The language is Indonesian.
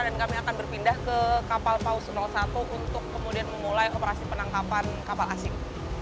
dan kami akan berpindah ke kapal paus satu untuk kemudian memulai operasi penangkapan kapal asing